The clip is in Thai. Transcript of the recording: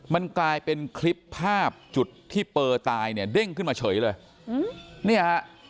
มันกลายเป็นคลิปภาพจุดที่เปอร์ตายเด้งขึ้นมาเฉยเลย